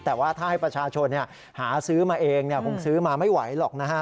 แต่ว่าถ้าให้ประชาชนหาซื้อมาเองคงซื้อมาไม่ไหวหรอกนะฮะ